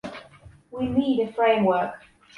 We need a framework.